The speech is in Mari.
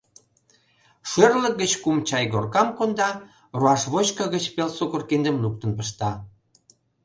Шӧрлык гыч кум чайгоркам конда, руашвочко гыч пел сукыр киндым луктын пышта.